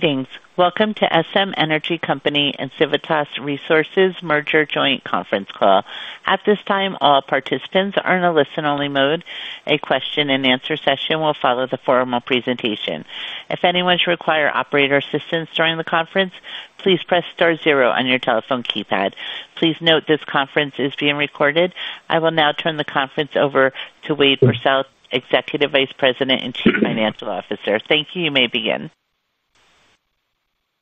Greetings. Welcome to SM Energy Company and Civitas Resources Merger Joint Conference Call. At this time, all participants are in a listen-only mode. A question-and-answer session will follow the formal presentation. If anyone should require operator assistance during the conference, please press star zero on your telephone keypad. Please note this conference is being recorded. I will now turn the conference over to Wade Pursell, Executive Vice President and Chief Financial Officer. Thank you. You may begin.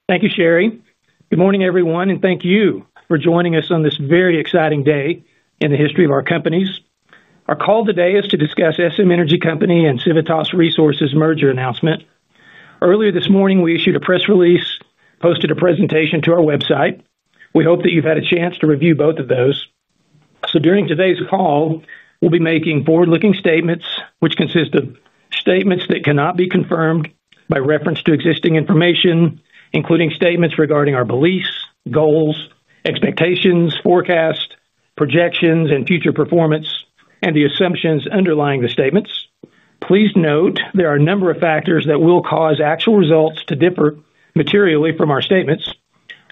Thank you, Sherry. Good morning, everyone, and thank you for joining us on this very exciting day in the history of our companies. Our call today is to discuss SM Energy Company and Civitas Resources' merger announcement. Earlier this morning, we issued a press release, posted a presentation to our website. We hope that you've had a chance to review both of those. During today's call, we'll be making forward-looking statements, which consist of statements that cannot be confirmed by reference to existing information, including statements regarding our beliefs, goals, expectations, forecasts, projections, and future performance, and the assumptions underlying the statements. Please note there are a number of factors that will cause actual results to differ materially from our statements.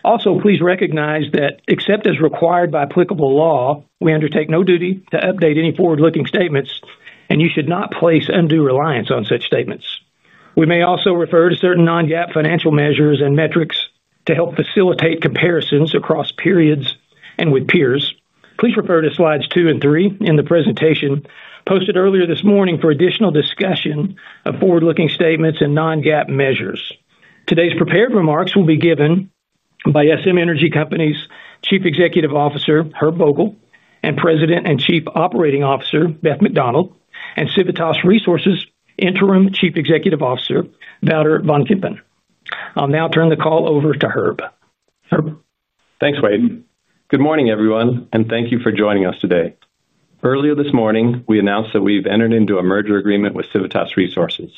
Also, please recognize that, except as required by applicable law, we undertake no duty to update any forward-looking statements, and you should not place undue reliance on such statements. We may also refer to certain non-GAAP financial measures and metrics to help facilitate comparisons across periods and with peers. Please refer to slides two and three in the presentation posted earlier this morning for additional discussion of forward-looking statements and non-GAAP measures. Today's prepared remarks will be given by SM Energy Company's Chief Executive Officer, Herb Vogel, and President and Chief Operating Officer, Beth McDonald, and Civitas Resources' Interim Chief Executive Officer, Wouter van Kempen. I'll now turn the call over to Herb. Herb. Thanks, Wade. Good morning, everyone, and thank you for joining us today. Earlier this morning, we announced that we've entered into a merger agreement with Civitas Resources.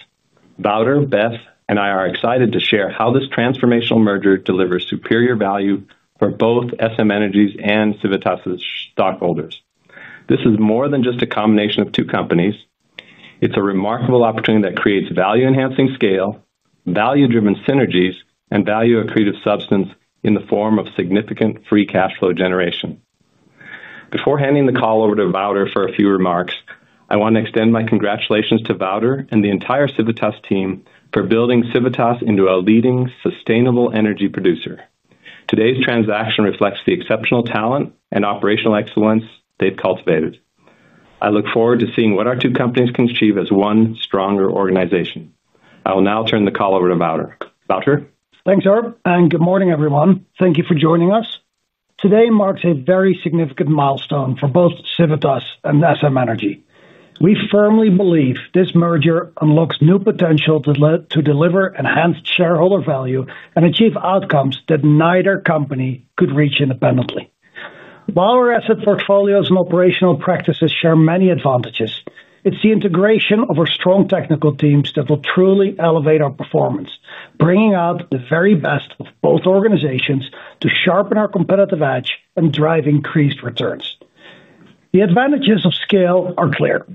Wouter, Beth, and I are excited to share how this transformational merger delivers superior value for both SM Energy's and Civitas's stockholders. This is more than just a combination of two companies. It's a remarkable opportunity that creates value-enhancing scale, value-driven synergies, and value-accretive substance in the form of significant free cash flow generation. Before handing the call over to Wouter for a few remarks, I want to extend my congratulations to Wouter and the entire Civitas team for building Civitas into a leading sustainable energy producer. Today's transaction reflects the exceptional talent and operational excellence they've cultivated. I look forward to seeing what our two companies can achieve as one stronger organization. I will now turn the call over to Wouter. Wouter. Thanks, Herb, and good morning, everyone. Thank you for joining us. Today marks a very significant milestone for both Civitas and SM Energy. We firmly believe this merger unlocks new potential to deliver enhanced shareholder value and achieve outcomes that neither company could reach independently. While our asset portfolios and operational practices share many advantages, it's the integration of our strong technical teams that will truly elevate our performance, bringing out the very best of both organizations to sharpen our competitive edge and drive increased returns. The advantages of scale are clear.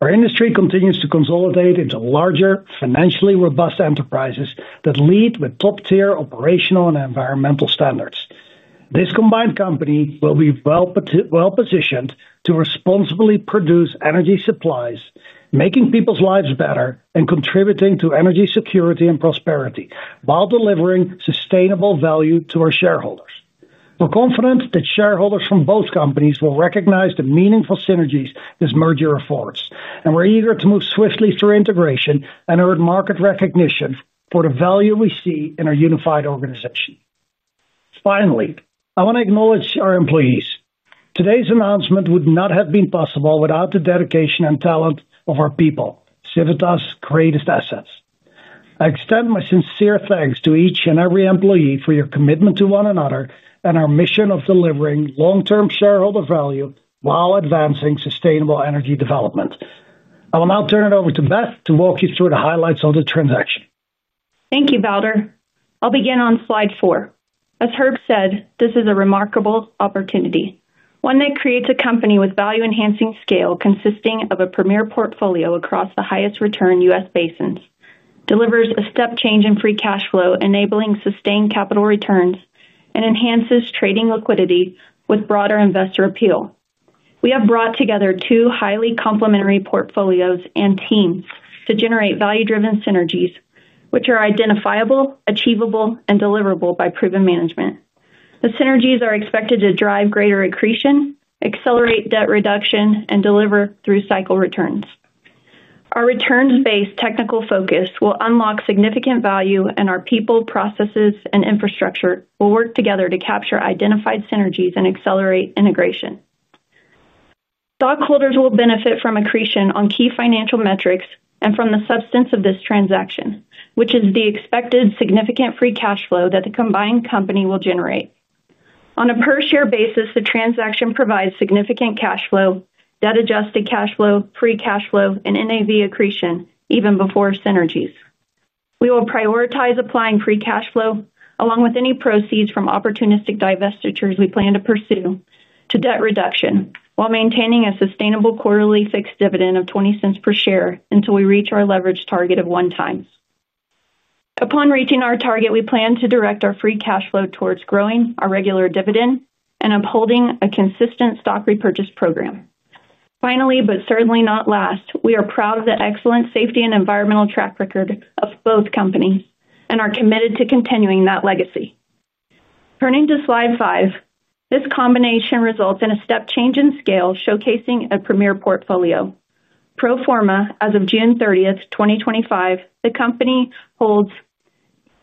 Our industry continues to consolidate into larger, financially robust enterprises that lead with top-tier operational and environmental standards. This combined company will be well-positioned to responsibly produce energy supplies, making people's lives better and contributing to energy security and prosperity while delivering sustainable value to our shareholders. We're confident that shareholders from both companies will recognize the meaningful synergies this merger affords, and we're eager to move swiftly through integration and earn market recognition for the value we see in our unified organization. Finally, I want to acknowledge our employees. Today's announcement would not have been possible without the dedication and talent of our people, Civitas' greatest assets. I extend my sincere thanks to each and every employee for your commitment to one another and our mission of delivering long-term shareholder value while advancing sustainable energy development. I will now turn it over to Beth to walk you through the highlights of the transaction. Thank you, Wouter. I'll begin on slide four. As Herb said, this is a remarkable opportunity, one that creates a company with value-enhancing scale consisting of a premier portfolio across the highest-return U.S. basins, delivers a step change in free cash flow, enabling sustained capital returns, and enhances trading liquidity with broader investor appeal. We have brought together two highly complementary portfolios and teams to generate value-driven synergies, which are identifiable, achievable, and deliverable by proven management. The synergies are expected to drive greater accretion, accelerate debt reduction, and deliver through cycle returns. Our returns-based technical focus will unlock significant value, and our people, processes, and infrastructure will work together to capture identified synergies and accelerate integration. Stockholders will benefit from accretion on key financial metrics and from the substance of this transaction, which is the expected significant free cash flow that the combined company will generate. On a per-share basis, the transaction provides significant cash flow, debt-adjusted cash flow, free cash flow, and NAV accretion even before synergies. We will prioritize applying free cash flow, along with any proceeds from opportunistic divestitures we plan to pursue, to debt reduction while maintaining a sustainable quarterly fixed dividend of $0.20 per share until we reach our leverage target of 1x. Upon reaching our target, we plan to direct our free cash flow towards growing our regular dividend and upholding a consistent stock repurchase program. Finally, but certainly not last, we are proud of the excellent safety and environmental track record of both companies and are committed to continuing that legacy. Turning to slide five, this combination results in a step change in scale showcasing a premier portfolio. Pro forma, as of June 30th, 2025, the company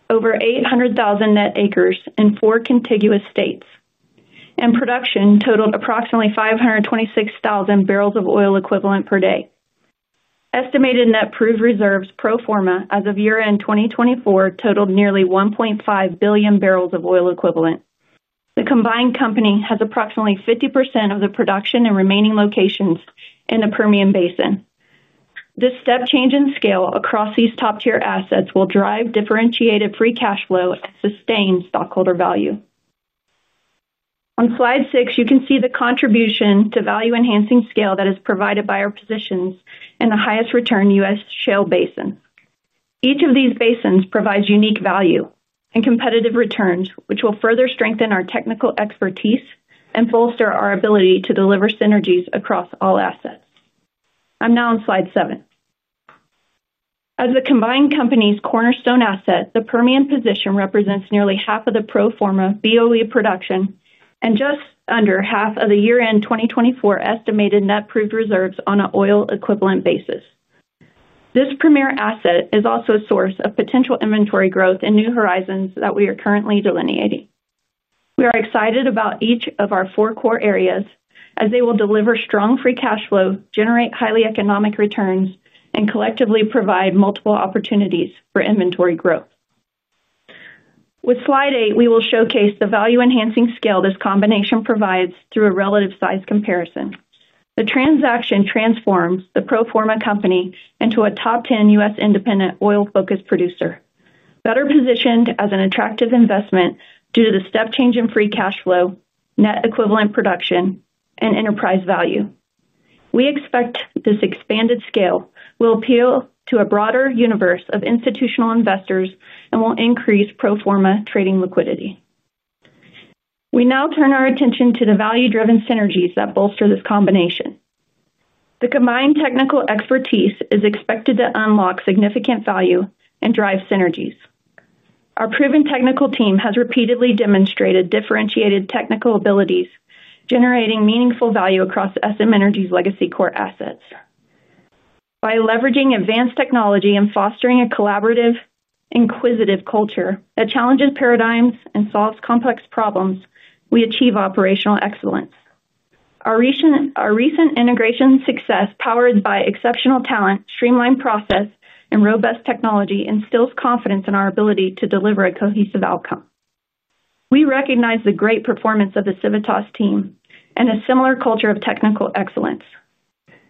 holds over 800,000 net acres in four contiguous states, and production totaled approximately 526,000 bbl of oil equivalent per day. Estimated net proved reserves pro forma, as of year-end 2024, totaled nearly 1.5 billion bbl of oil equivalent. The combined company has approximately 50% of the production and remaining locations in the Permian Basin. This step change in scale across these top-tier assets will drive differentiated free cash flow and sustained stockholder value. On slide six, you can see the contribution to value-enhancing scale that is provided by our positions in the highest-return U.S. shale basin. Each of these basins provides unique value and competitive returns, which will further strengthen our technical expertise and bolster our ability to deliver synergies across all assets. I'm now on slide seven. As the combined company's cornerstone asset, the Permian position represents nearly half of the pro forma BOE production and just under half of the year-end 2024 estimated net proved reserves on an oil-equivalent basis. This premier asset is also a source of potential inventory growth and new horizons that we are currently delineating. We are excited about each of our four core areas as they will deliver strong free cash flow, generate highly economic returns, and collectively provide multiple opportunities for inventory growth. With slide eight, we will showcase the value-enhancing scale this combination provides through a relative size comparison. The transaction transforms the pro forma company into a top-10 U.S. independent oil-focused producer, better positioned as an attractive investment due to the step change in free cash flow, net equivalent production, and enterprise value. We expect this expanded scale will appeal to a broader universe of institutional investors and will increase pro forma trading liquidity. We now turn our attention to the value-driven synergies that bolster this combination. The combined technical expertise is expected to unlock significant value and drive synergies. Our proven technical team has repeatedly demonstrated differentiated technical abilities, generating meaningful value across SM Energy's legacy core assets. By leveraging advanced technology and fostering a collaborative, inquisitive culture that challenges paradigms and solves complex problems, we achieve operational excellence. Our recent integration success, powered by exceptional talent, streamlined process, and robust technology, instills confidence in our ability to deliver a cohesive outcome. We recognize the great performance of the Civitas team and a similar culture of technical excellence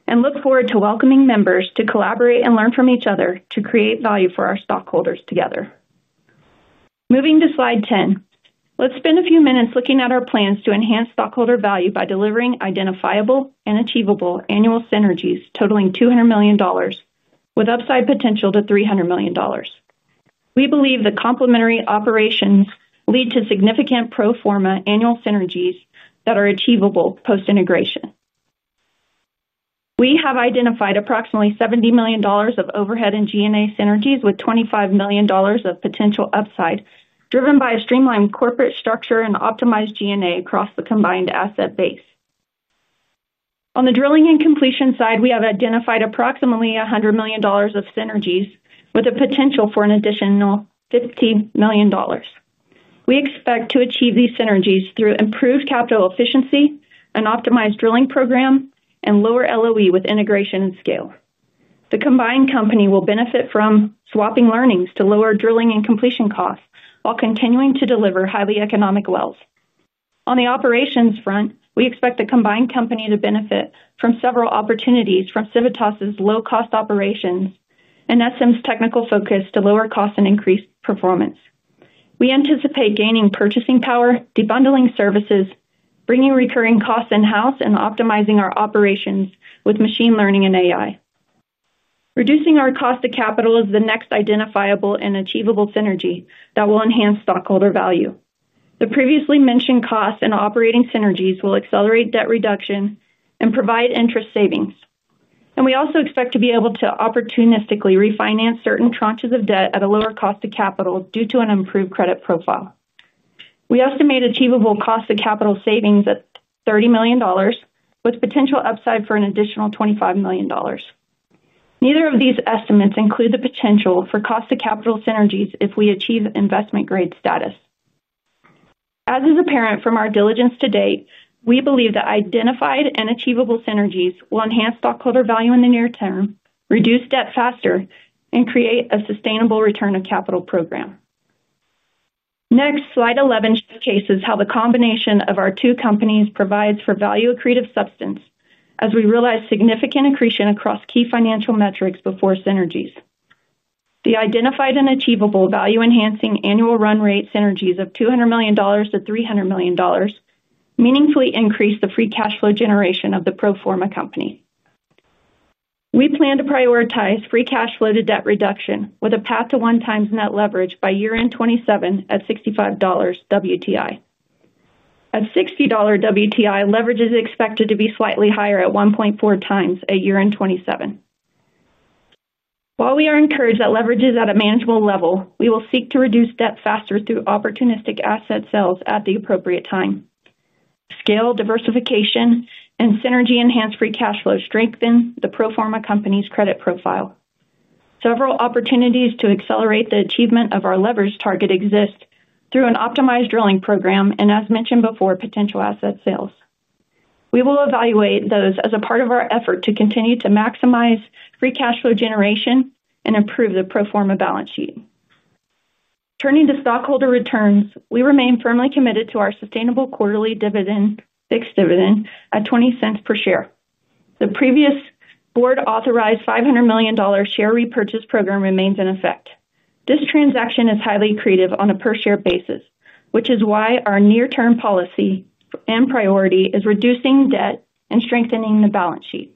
and look forward to welcoming members to collaborate and learn from each other to create value for our stockholders together. Moving to slide 10, let's spend a few minutes looking at our plans to enhance stockholder value by delivering identifiable and achievable annual synergies totaling $200 million, with upside potential to $300 million. We believe the complementary operations lead to significant pro forma annual synergies that are achievable post-integration. We have identified approximately $70 million of overhead and G&A synergies with $25 million of potential upside driven by a streamlined corporate structure and optimized G&A across the combined asset base. On the drilling and completion side, we have identified approximately $100 million of synergies with a potential for an additional $50 million. We expect to achieve these synergies through improved capital efficiency, an optimized drilling program, and lower LOE with integration and scale. The combined company will benefit from swapping learnings to lower drilling and completion costs while continuing to deliver highly economic wells. On the operations front, we expect the combined company to benefit from several opportunities from Civitas's low-cost operations and SM's technical focus to lower costs and increase performance. We anticipate gaining purchasing power, debundling services, bringing recurring costs in-house, and optimizing our operations with machine learning and AI. Reducing our cost to capital is the next identifiable and achievable synergy that will enhance stockholder value. The previously mentioned costs and operating synergies will accelerate debt reduction and provide interest savings. We also expect to be able to opportunistically refinance certain tranches of debt at a lower cost to capital due to an improved credit profile. We estimate achievable cost to capital savings at $30 million, with potential upside for an additional $25 million. Neither of these estimates include the potential for cost to capital synergies if we achieve investment-grade status. As is apparent from our diligence to date, we believe that identified and achievable synergies will enhance stockholder value in the near term, reduce debt faster, and create a sustainable return of capital program. Next, slide 11 showcases how the combination of our two companies provides for value-accretive substance as we realize significant accretion across key financial metrics before synergies. The identified and achievable value-enhancing annual run-rate synergies of $200 million-$300 million meaningfully increase the free cash flow generation of the pro forma company. We plan to prioritize free cash flow to debt reduction with a path to 1x net leverage by year-end 2027 at $65 WTI. At $60 WTI, leverage is expected to be slightly higher at 1.4x at year-end 2027. While we are encouraged that leverage is at a manageable level, we will seek to reduce debt faster through opportunistic asset sales at the appropriate time. Scale, diversification, and synergy-enhanced free cash flow strengthen the pro forma company's credit profile. Several opportunities to accelerate the achievement of our leverage target exist through an optimized drilling program and, as mentioned before, potential asset sales. We will evaluate those as a part of our effort to continue to maximize free cash flow generation and improve the pro forma balance sheet. Turning to stockholder returns, we remain firmly committed to our sustainable quarterly fixed dividend at $0.20 per share. The previous board-authorized $500 million share repurchase program remains in effect. This transaction is highly accretive on a per-share basis, which is why our near-term policy and priority is reducing debt and strengthening the balance sheet.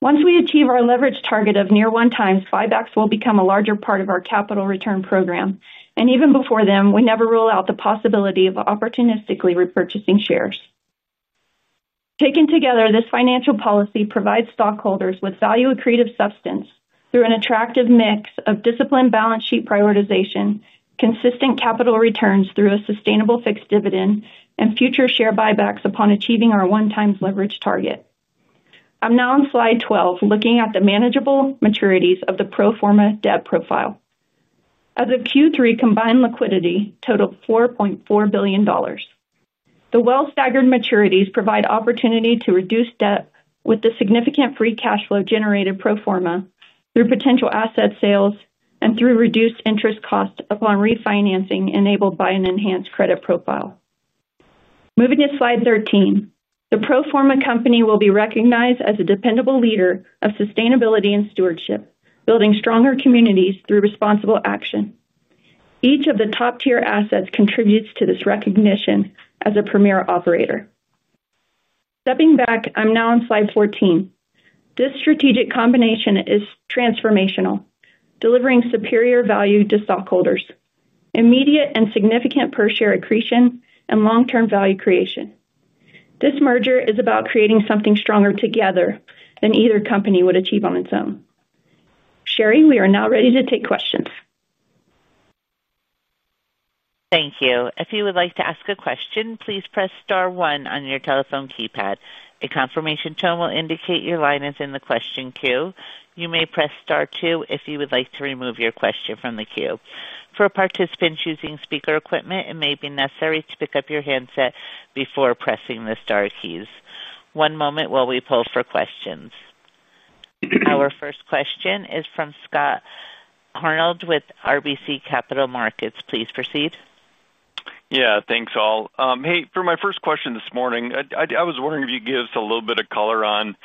Once we achieve our leverage target of near 1x, buybacks will become a larger part of our capital return program. Even before then, we never rule out the possibility of opportunistically repurchasing shares. Taken together, this financial policy provides stockholders with value-accretive substance through an attractive mix of disciplined balance sheet prioritization, consistent capital returns through a sustainable fixed dividend, and future share buybacks upon achieving our 1x leverage target. I'm now on slide 12, looking at the manageable maturities of the pro forma debt profile. As of Q3, combined liquidity totaled $4.4 billion. The well-staggered maturities provide opportunity to reduce debt with the significant free cash flow generated pro forma through potential asset sales and through reduced interest costs upon refinancing enabled by an enhanced credit profile. Moving to slide 13, the pro forma company will be recognized as a dependable leader of sustainability and stewardship, building stronger communities through responsible action. Each of the top-tier assets contributes to this recognition as a premier operator. Stepping back, I'm now on slide 14. This strategic combination is transformational, delivering superior value to stockholders, immediate and significant per-share accretion, and long-term value creation. This merger is about creating something stronger together than either company would achieve on its own. Sherry, we are now ready to take questions. Thank you. If you would like to ask a question, please press star one on your telephone keypad. A confirmation tone will indicate your line is in the question queue. You may press star two if you would like to remove your question from the queue. For participants using speaker equipment, it may be necessary to pick up your handset before pressing the star keys. One moment while we pull for questions. Our first question is from Scott Hanold with RBC Capital Markets. Please proceed. Yeah, thanks all. Hey, for my first question this morning, I was wondering if you could give us a little bit of color on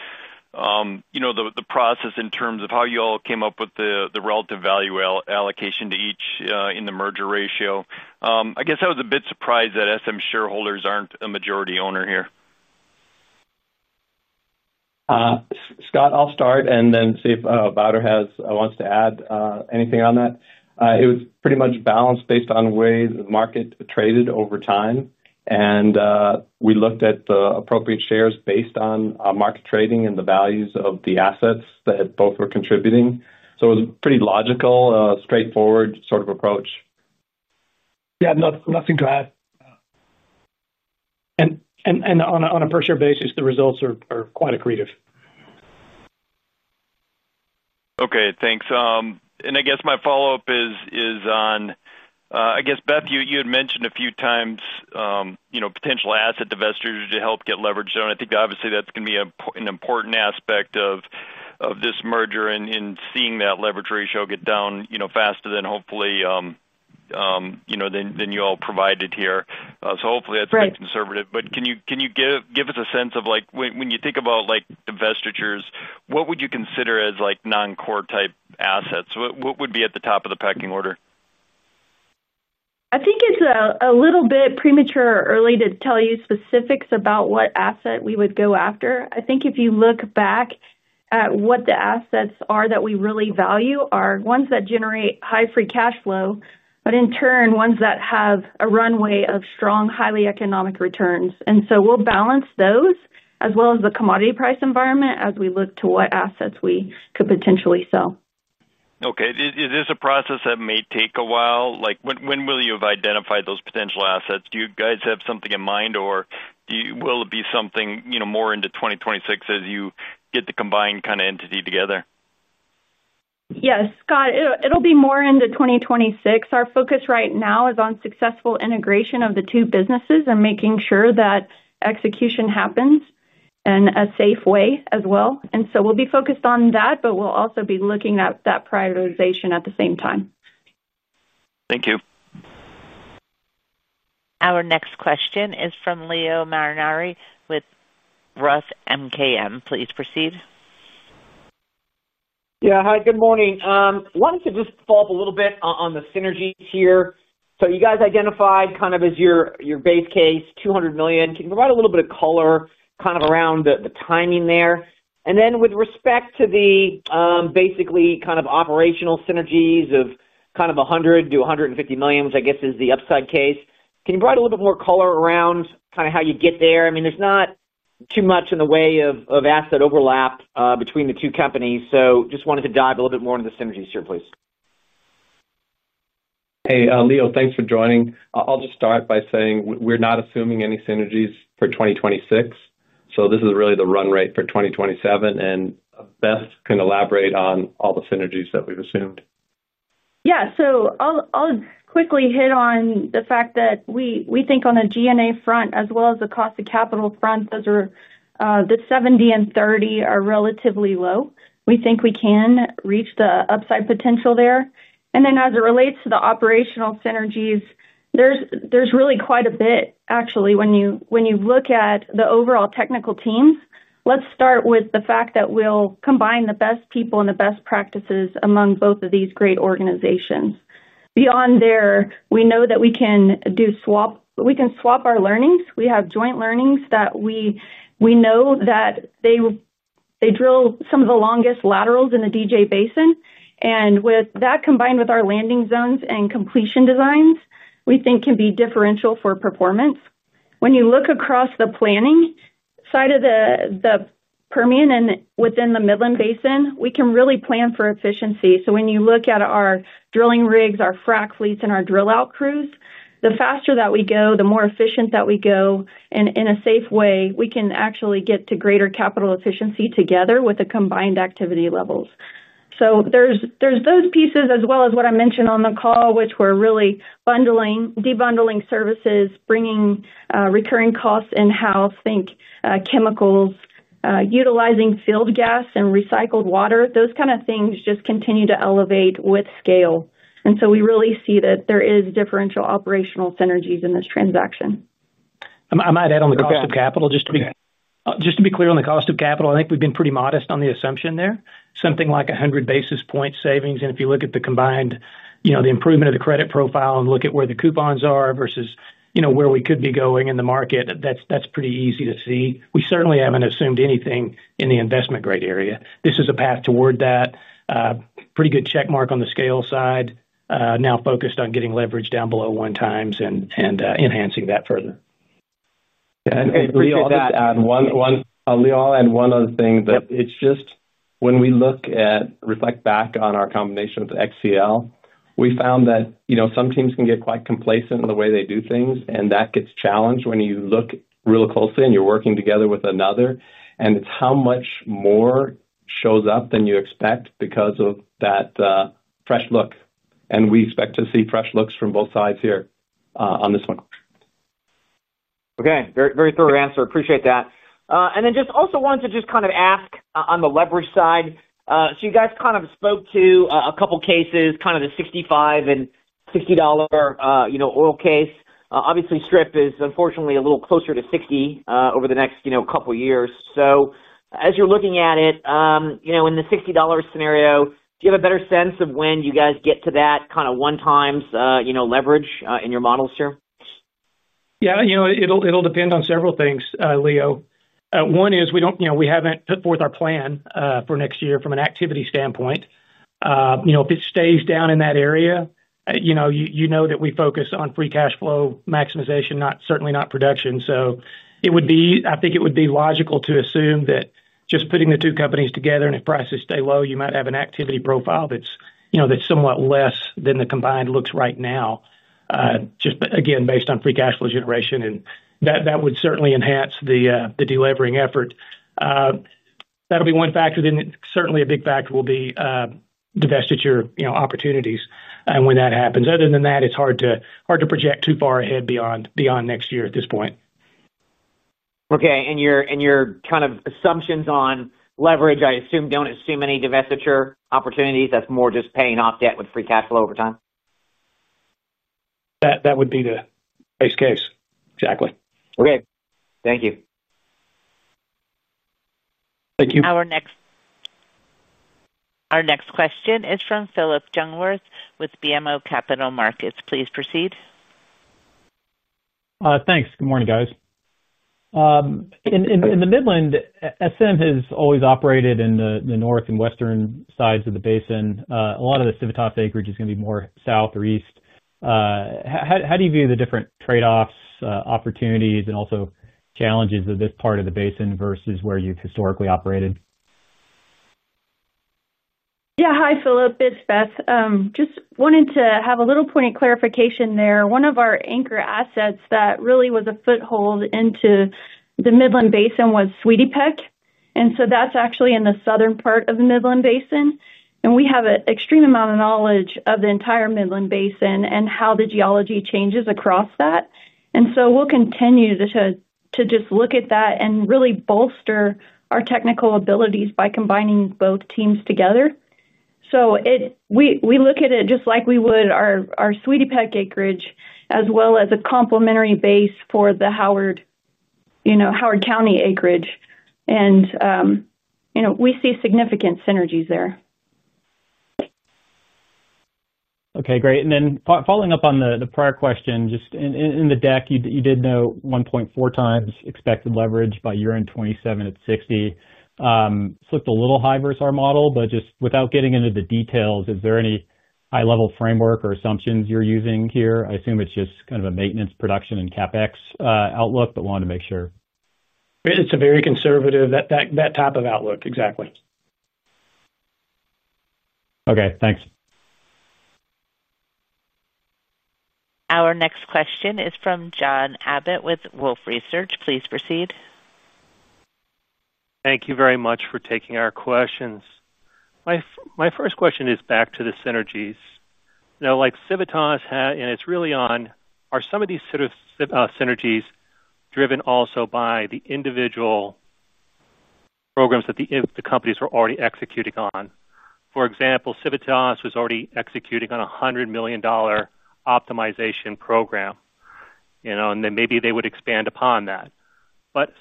the process in terms of how you all came up with the relative value allocation to each in the merger ratio. I guess I was a bit surprised that SM shareholders are not a majority owner here. Scott, I'll start and then see if Wouter wants to add anything on that. It was pretty much balanced based on ways the market traded over time. We looked at the appropriate shares based on market trading and the values of the assets that both were contributing. It was a pretty logical, straightforward sort of approach. Yeah, nothing to add. On a per-share basis, the results are quite accretive. Okay, thanks. I guess my follow-up is on, I guess, Beth, you had mentioned a few times potential asset divestitures to help get leverage down. I think, obviously, that is going to be an important aspect of this merger and seeing that leverage ratio get down faster than, hopefully, than you all provided here. Hopefully, that has been conservative. Can you give us a sense of, when you think about divestitures, what would you consider as non-core type assets? What would be at the top of the pecking order? I think it is a little bit premature or early to tell you specifics about what asset we would go after. If you look back at what the assets are that we really value, they are ones that generate high free cash flow, but in turn, ones that have a runway of strong, highly economic returns. We will balance those as well as the commodity price environment as we look to what assets we could potentially sell. Okay. Is this a process that may take a while? When will you have identified those potential assets? Do you guys have something in mind, or will it be something more into 2026 as you get the combined kind of entity together? Yes, Scott, it will be more into 2026. Our focus right now is on successful integration of the two businesses and making sure that execution happens in a safe way as well. We will be focused on that, but we will also be looking at that prioritization at the same time. Thank you. Our next question is from Leo Mariani with ROTH MKM. Please proceed. Yeah, hi, good morning. I wanted to just follow up a little bit on the synergies here. You guys identified kind of as your base case, $200 million. Can you provide a little bit of color kind of around the timing there? And then with respect to the, basically kind of operational synergies of kind of $100 million-$150 million, which I guess is the upside case, can you provide a little bit more color around kind of how you get there? I mean, there's not too much in the way of asset overlap between the two companies. Just wanted to dive a little bit more into the synergies here, please. Hey, Leo, thanks for joining. I'll just start by saying we're not assuming any synergies for 2026. This is really the run rate for 2027. Beth can elaborate on all the synergies that we've assumed. Yeah, I'll quickly hit on the fact that we think on a G&A front, as well as the cost to capital front, the 70 and 30 are relatively low. We think we can reach the upside potential there. As it relates to the operational synergies, there's really quite a bit, actually, when you look at the overall technical teams. Let's start with the fact that we'll combine the best people and the best practices among both of these great organizations. Beyond there, we know that we can swap our learnings. We have joint learnings that we know that they drill some of the longest laterals in the DJ Basin. With that combined with our landing zones and completion designs, we think can be differential for performance. When you look across the planning side of the Permian and within the Midland Basin, we can really plan for efficiency. When you look at our drilling rigs, our frac fleets, and our drill-out crews, the faster that we go, the more efficient that we go, and in a safe way, we can actually get to greater capital efficiency together with the combined activity levels. There are those pieces, as well as what I mentioned on the call, which is really bundling, debundling services, bringing recurring costs in-house, think chemicals, utilizing field gas and recycled water. Those kind of things just continue to elevate with scale. We really see that there are differential operational synergies in this transaction. I might add on the cost of capital. Just to be clear on the cost of capital, I think we've been pretty modest on the assumption there. Something like 100 basis points savings. If you look at the combined, the improvement of the credit profile and look at where the coupons are versus where we could be going in the market, that's pretty easy to see. We certainly haven't assumed anything in the investment-grade area. This is a path toward that. Pretty good check mark on the scale side, now focused on getting leverage down below 1x and enhancing that further. Yeah, and Leo, I'll add one other thing. It's just when we look at, reflect back on our combination with XCL, we found that some teams can get quite complacent in the way they do things, and that gets challenged when you look really closely and you're working together with another. It's how much more shows up than you expect because of that fresh look. We expect to see fresh looks from both sides here on this one. Okay, very thorough answer. Appreciate that. I also wanted to just kind of ask on the leverage side. You guys kind of spoke to a couple of cases, kind of the $65 and $60 oil case. Obviously, Strip is unfortunately a little closer to $60 over the next couple of years. As you're looking at it, in the $60 scenario, do you have a better sense of when you guys get to that kind of 1x leverage in your models here? Yeah, it'll depend on several things, Leo. One is we haven't put forth our plan for next year from an activity standpoint. If it stays down in that area, you know that we focus on free cash flow maximization, certainly not production. I think it would be logical to assume that just putting the two companies together and if prices stay low, you might have an activity profile that's somewhat less than the combined looks right now, just again, based on free cash flow generation. That would certainly enhance the delevering effort. That'll be one factor. Then certainly a big factor will be divestiture opportunities and when that happens. Other than that, it's hard to project too far ahead beyond next year at this point. Okay, and your kind of assumptions on leverage, I assume, don't assume any divestiture opportunities. That's more just paying off debt with free cash flow over time? That would be the base case. Exactly. Okay, thank you. Thank you. Our next question is from Phillip Jungwirth with BMO Capital Markets. Please proceed. Thanks. Good morning, guys. In the Midland, SM has always operated in the north and western sides of the basin. A lot of the Civitas acreage is going to be more south or east. How do you view the different trade-offs, opportunities, and also challenges of this part of the basin versus where you've historically operated? Yeah, hi, Phillip. It's Beth. Just wanted to have a little pointed clarification there. One of our anchor assets that really was a foothold into the Midland Basin was Sweetie Peck. That's actually in the southern part of the Midland Basin. We have an extreme amount of knowledge of the entire Midland Basin and how the geology changes across that. We'll continue to just look at that and really bolster our technical abilities by combining both teams together. We look at it just like we would our Sweetie Peck acreage, as well as a complementary base for the Howard County acreage. We see significant synergies there. Okay, great. Then following up on the prior question, just in the deck, you did note 1.4x expected leverage by year-end 2027 at $60. This looked a little high versus our model, but just without getting into the details, is there any high-level framework or assumptions you're using here? I assume it's just kind of a maintenance production and CapEx outlook, but wanted to make sure. It's a very conservative type of outlook. Exactly. Okay, thanks. Our next question is from John Abbott with Wolfe Research. Please proceed. Thank you very much for taking our questions. My first question is back to the synergies. Like Civitas, and it's really on, are some of these sort of synergies driven also by the individual programs that the companies were already executing on? For example, Civitas was already executing on a $100 million optimization program. Then maybe they would expand upon that.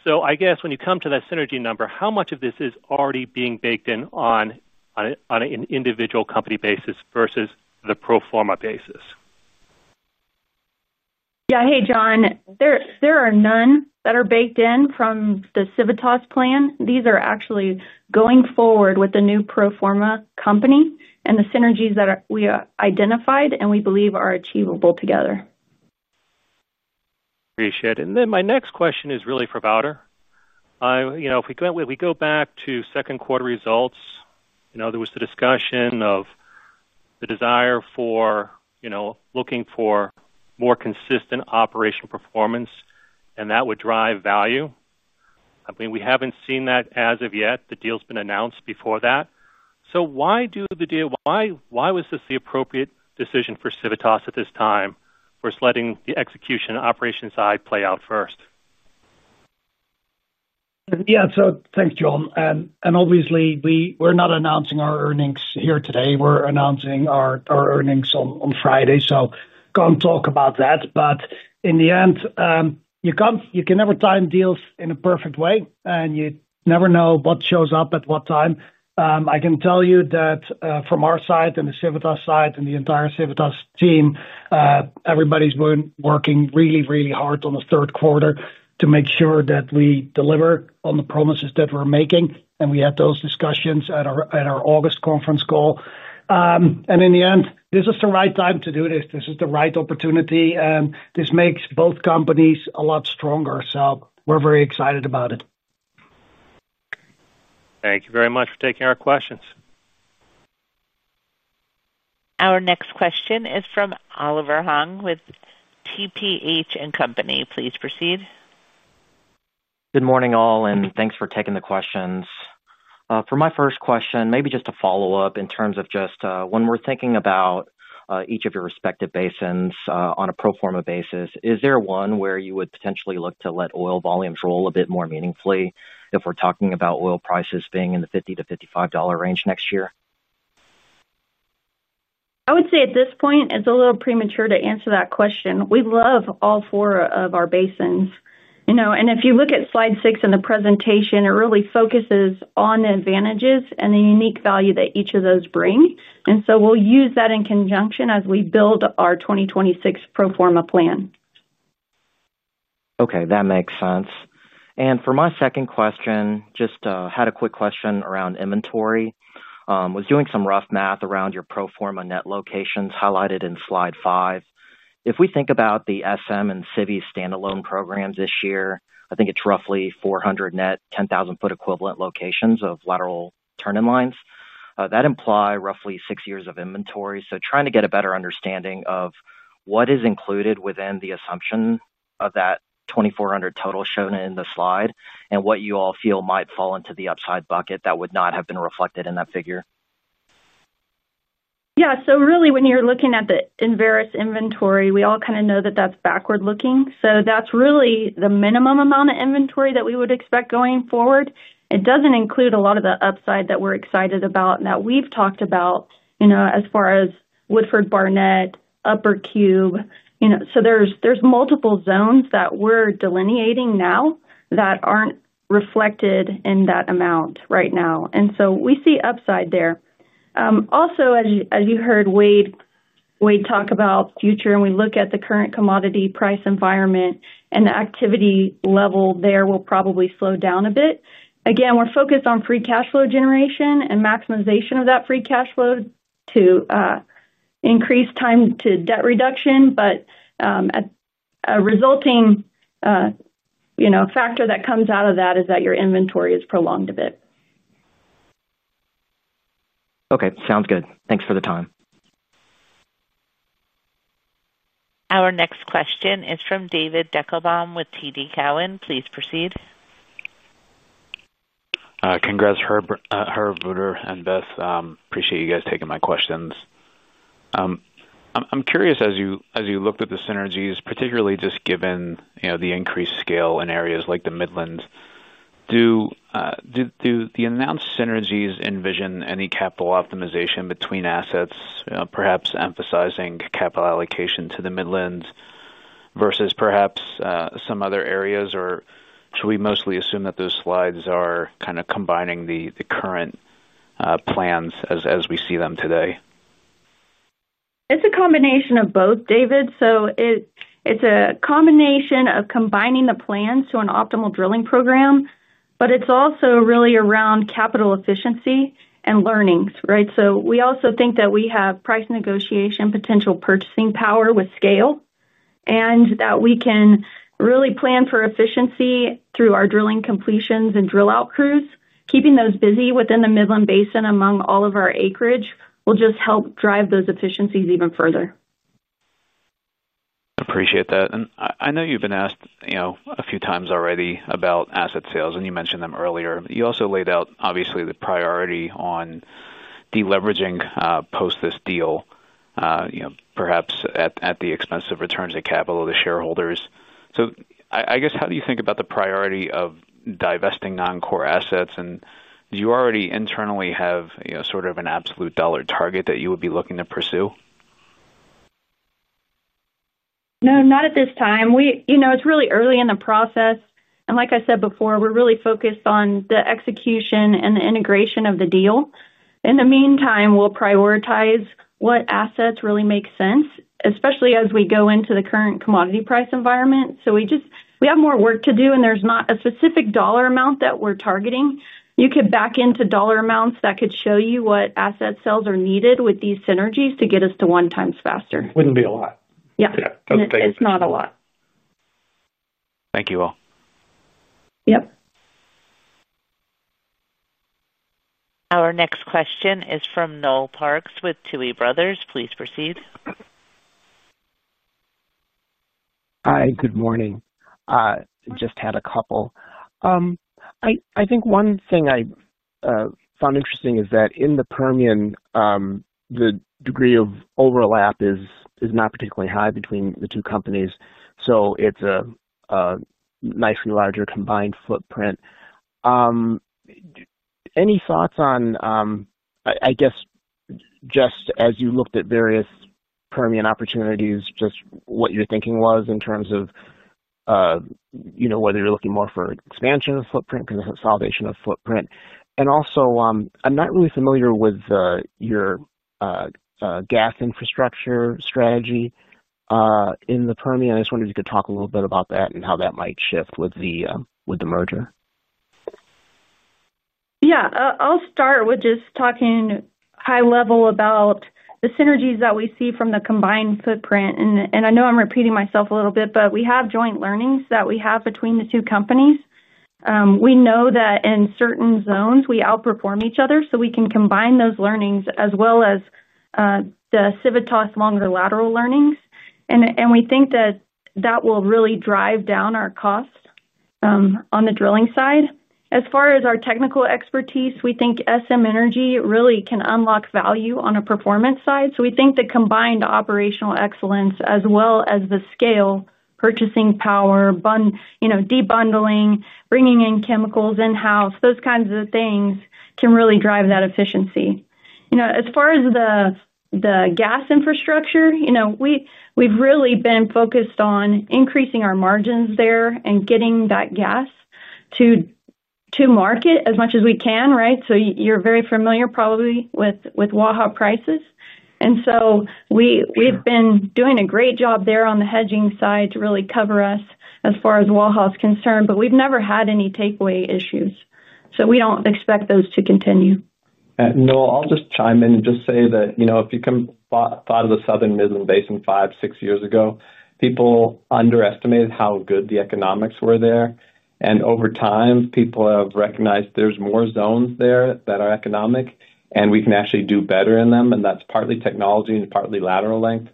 So I guess when you come to that synergy number, how much of this is already being baked in on an individual company basis versus the pro forma basis? Yeah, hey, John. There are none that are baked in from the Civitas plan. These are actually going forward with the new pro forma company and the synergies that we identified and we believe are achievable together. Appreciate it. Then my next question is really for Wouter. If we go back to second quarter results, there was the discussion of the desire for looking for more consistent operational performance, and that would drive value. I mean, we haven't seen that as of yet. The deal's been announced before that. Why was this the appropriate decision for Civitas at this time versus letting the execution operation side play out first? Yeah, thanks, John. Obviously, we're not announcing our earnings here today. We're announcing our earnings on Friday. I can't talk about that. In the end, you can never time deals in a perfect way, and you never know what shows up at what time. I can tell you that from our side and the Civitas side and the entire Civitas team, everybody's been working really, really hard on the third quarter to make sure that we deliver on the promises that we're making. We had those discussions at our August conference call. In the end, this is the right time to do this. This is the right opportunity. This makes both companies a lot stronger. We're very excited about it. Thank you very much for taking our questions. Our next question is from Oliver Huang with TPH&Co. Please proceed. Good morning, all, and thanks for taking the questions. For my first question, maybe just a follow-up in terms of just when we're thinking about. Each of your respective basins on a pro forma basis, is there one where you would potentially look to let oil volumes roll a bit more meaningfully if we're talking about oil prices being in the $50-$55 range next year? I would say at this point, it's a little premature to answer that question. We love all four of our basins. If you look at slide six in the presentation, it really focuses on the advantages and the unique value that each of those bring. We will use that in conjunction as we build our 2026 pro forma plan. Okay, that makes sense. For my second question, just had a quick question around inventory. I was doing some rough math around your pro forma net locations highlighted in slide five. If we think about the SM and Civi stand-alone programs this year, I think it's roughly 400 net 10,000 ft equivalent locations of lateral turn-in lines. That implies roughly six years of inventory. Trying to get a better understanding of what is included within the assumption of that 2,400 total shown in the slide and what you all feel might fall into the upside bucket that would not have been reflected in that figure. Yeah, so really, when you're looking at the Enverus inventory, we all kind of know that that's backward-looking. That's really the minimum amount of inventory that we would expect going forward. It doesn't include a lot of the upside that we're excited about and that we've talked about. As far as Woodford, Barnett, Upper Cube. There are multiple zones that we're delineating now that aren't reflected in that amount right now. We see upside there. Also, as you heard Wade talk about future, and we look at the current commodity price environment, the activity level there will probably slow down a bit. Again, we're focused on free cash flow generation and maximization of that free cash flow to increase time to debt reduction. A resulting factor that comes out of that is that your inventory is prolonged a bit. Okay, sounds good. Thanks for the time. Our next question is from David Deckelbaum with TD Cowen. Please proceed. Congrats, Herb, Wouter and Beth. Appreciate you guys taking my questions. I'm curious, as you looked at the synergies, particularly just given the increased scale in areas like the Midland, do the announced synergies envision any capital optimization between assets, perhaps emphasizing capital allocation to the Midland versus perhaps some other areas, or should we mostly assume that those slides are kind of combining the current plans as we see them today? It's a combination of both, David. It's a combination of combining the plans to an optimal drilling program, but it's also really around capital efficiency and learnings, right? We also think that we have price negotiation, potential purchasing power with scale, and that we can really plan for efficiency through our drilling completions and drill-out crews. Keeping those busy within the Midland Basin among all of our acreage will just help drive those efficiencies even further. Appreciate that. I know you've been asked a few times already about asset sales, and you mentioned them earlier. You also laid out, obviously, the priority on deleveraging post this deal, perhaps at the expense of returns of capital to shareholders. I guess, how do you think about the priority of divesting non-core assets? Do you already internally have sort of an absolute dollar target that you would be looking to pursue? No, not at this time. It's really early in the process. Like I said before, we're really focused on the execution and the integration of the deal. In the meantime, we'll prioritize what assets really make sense, especially as we go into the current commodity price environment. We have more work to do, and there's not a specific dollar amount that we're targeting. You could back into dollar amounts that could show you what asset sales are needed with these synergies to get us to 1x faster. Wouldn't be a lot. Yeah. That's not a lot. Thank you all. Our next question is from Noel Parks with Tuohy Brothers. Please proceed. Hi, good morning. Just had a couple. I think one thing I found interesting is that in the Permian, the degree of overlap is not particularly high between the two companies. It's a nicely larger combined footprint. Any thoughts on, I guess, just as you looked at various Permian opportunities, what your thinking was in terms of whether you're looking more for expansion of footprint, consolidation of footprint? Also, I'm not really familiar with your gas infrastructure strategy in the Permian. I just wondered if you could talk a little bit about that and how that might shift with the merger. Yeah, I'll start with just talking high level about the synergies that we see from the combined footprint. I know I'm repeating myself a little bit, but we have joint learnings that we have between the two companies. We know that in certain zones, we outperform each other. We can combine those learnings as well as the Civitas longer lateral learnings, and we think that that will really drive down our cost on the drilling side. As far as our technical expertise, we think SM Energy really can unlock value on a performance side. We think the combined operational excellence, as well as the scale, purchasing power, debundling, bringing in chemicals in-house, those kinds of things can really drive that efficiency. As far as the gas infrastructure, we've really been focused on increasing our margins there and getting that gas to market as much as we can, right? You're very familiar probably with WAHA prices. We've been doing a great job there on the hedging side to really cover us as far as WAHA is concerned, but we've never had any takeaway issues. We don't expect those to continue. I'll just chime in and just say that if you thought of the Southern Midland Basin five, six years ago, people underestimated how good the economics were there. Over time, people have recognized there's more zones there that are economic, and we can actually do better in them. That's partly technology and partly lateral length.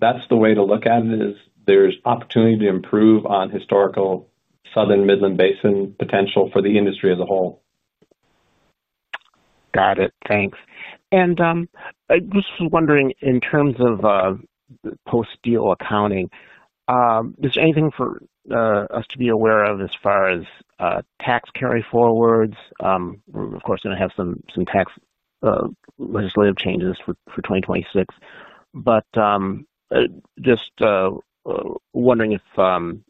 That's the way to look at it, is there's opportunity to improve on historical Southern Midland Basin potential for the industry as a whole. Got it. Thanks. I was just wondering, in terms of post-deal accounting, is there anything for us to be aware of as far as tax carryforwards? We're, of course, going to have some tax legislative changes for 2026. Just wondering if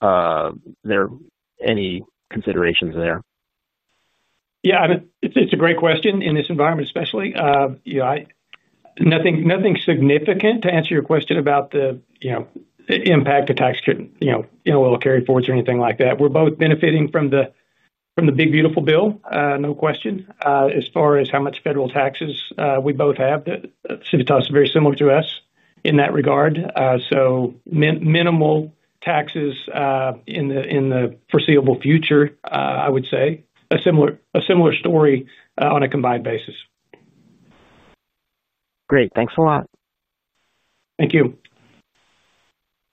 there are any considerations there. Yeah, it's a great question. In this environment, especially, nothing significant. To answer your question about the impact of tax NOL carryforwards or anything like that, we're both benefiting from the big, beautiful bill, no question. As far as how much federal taxes, we both have the Civitas very similar to us in that regard. So minimal taxes in the foreseeable future, I would say. A similar story on a combined basis. Great. Thanks a lot. Thank you.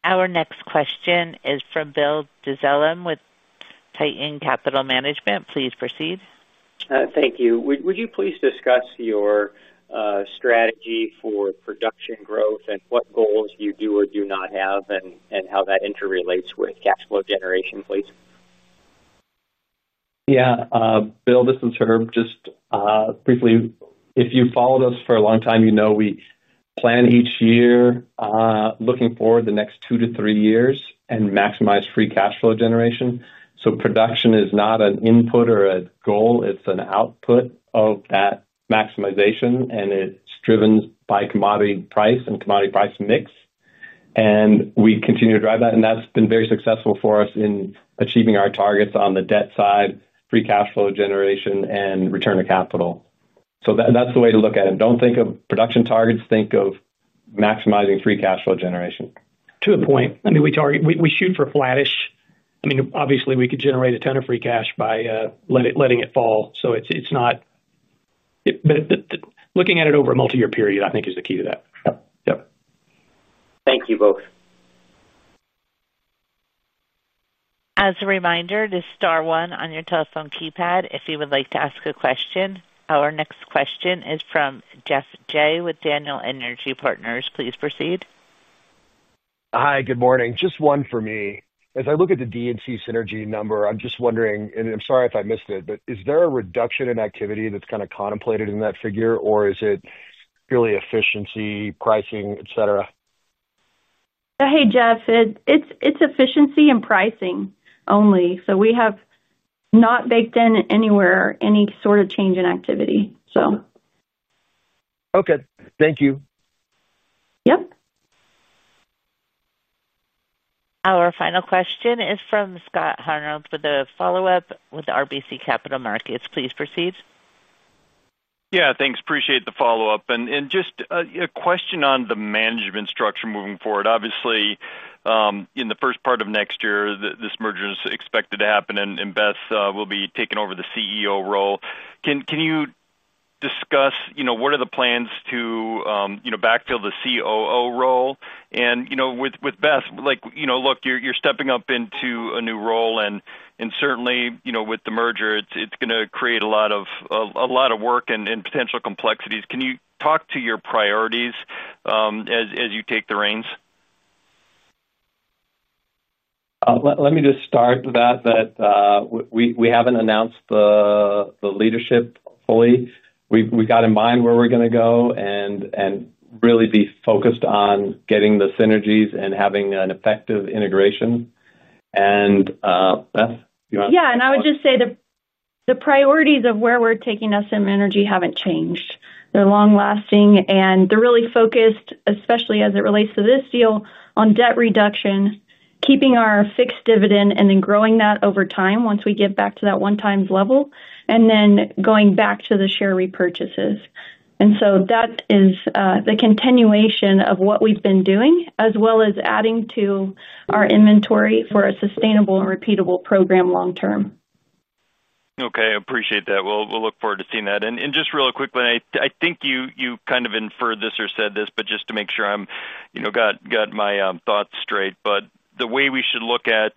Our next question is from Bill Dezellem with Tieton Capital Management. Please proceed. Thank you. Would you please discuss your strategy for production growth and what goals you do or do not have and how that interrelates with cash flow generation, please? Yeah. Bill, this is Herb. Just briefly, if you've followed us for a long time, you know we plan each year, looking forward the next two to three years, and maximize free cash flow generation. Production is not an input or a goal. It's an output of that maximization, and it's driven by commodity price and commodity price mix. We continue to drive that. That's been very successful for us in achieving our targets on the debt side, free cash flow generation, and return to capital. That's the way to look at it. Don't think of production targets. Think of maximizing free cash flow generation. To a point. I mean, we shoot for flattish. I mean, obviously, we could generate a ton of free cash by letting it fall. Looking at it over a multi-year period, I think, is the key to that. Yep. Yep. Thank you both. As a reminder, this is star one on your telephone keypad if you would like to ask a question. Our next question is from Geoff Jay with Daniel Energy Partners. Please proceed. Hi, good morning. Just one for me. As I look at the D&C synergy number, I'm just wondering, and I'm sorry if I missed it, but is there a reduction in activity that's kind of contemplated in that figure, or is it purely efficiency, pricing, etc.? Hey, Geoff, it's efficiency and pricing only. We have not baked in anywhere any sort of change in activity. Okay. Thank you. Yep. Our final question is from Scott Hanold for the follow-up with RBC Capital Markets. Please proceed. Yeah, thanks. Appreciate the follow-up. And just a question on the management structure moving forward. Obviously, in the first part of next year, this merger is expected to happen, and Beth will be taking over the CEO role. Can you discuss what are the plans to backfill the COO role? And with Beth, look, you're stepping up into a new role, and certainly, with the merger, it's going to create a lot of work and potential complexities. Can you talk to your priorities as you take the reins? Let me just start with that. We haven't announced the leadership fully. We've got in mind where we're going to go and really be focused on getting the synergies and having an effective integration. Beth, do you want to? Yeah. And I would just say the priorities of where we're taking SM Energy haven't changed. They're long-lasting, and they're really focused, especially as it relates to this deal, on debt reduction, keeping our fixed dividend, and then growing that over time once we get back to that 1x level, and then going back to the share repurchases. That is the continuation of what we've been doing, as well as adding to our inventory for a sustainable and repeatable program long-term. Okay. Appreciate that. We'll look forward to seeing that. And just really quickly, I think you kind of inferred this or said this, but just to make sure I've got my thoughts straight, the way we should look at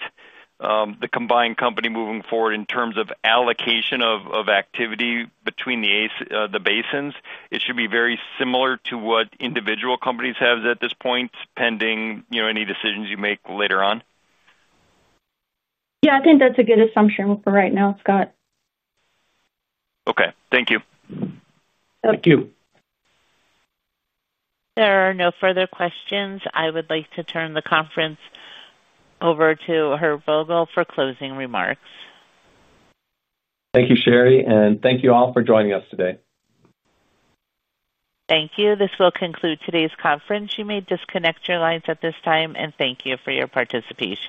the combined company moving forward in terms of allocation of activity between the basins, it should be very similar to what individual companies have at this point, pending any decisions you make later on? Yeah, I think that's a good assumption for right now, Scott. Okay. Thank you. Thank you. There are no further questions. I would like to turn the conference over to Herb Vogel for closing remarks. Thank you, Sherry. And thank you all for joining us today. Thank you. This will conclude today's conference. You may disconnect your lines at this time, and thank you for your participation.